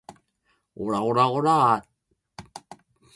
オラオラオラァ